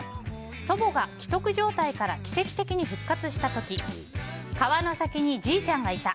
祖母が危篤状態から奇跡的に復活した時川の先にじいちゃんがいた。